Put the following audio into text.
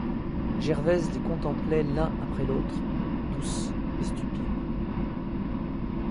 Gervaise les contemplait l'un après l'autre, douce et stupide.